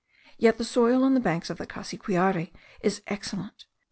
Yet the soil on the banks of the Cassiquiare is excellent.